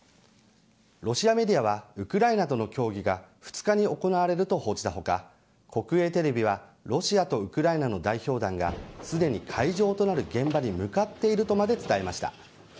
ロシアメディアはウクライナとの協議が２日に行われると報じた他国営テレビはロシアとウクライナの代表団がすでに会場となる現場に向かっているとまで伝えました。